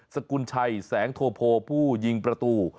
สกุลชัยแสงโทโพผู้ยิงประตู